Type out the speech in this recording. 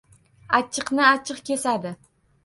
Achchiqni - achchiq kesadi.